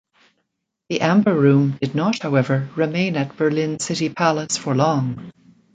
The Amber Room did not, however, remain at Berlin City Palace for long.